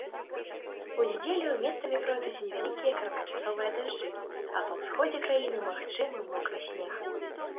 У нядзелю месцамі пройдуць невялікія кароткачасовыя дажджы, а па ўсходзе краіны магчымы мокры снег.